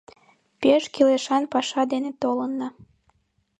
— Пеш кӱлешан паша дене толынна.